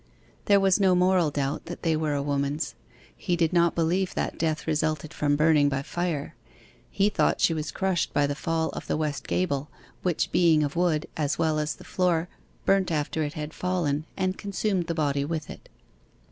There was no moral doubt that they were a woman's. He did not believe that death resulted from burning by fire. He thought she was crushed by the fall of the west gable, which being of wood, as well as the floor, burnt after it had fallen, and consumed the body with it.